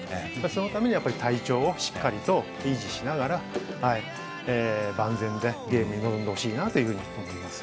そのためにはやっぱり体調をしっかりと維持しながら万全でゲームに臨んでほしいなというふうに思います。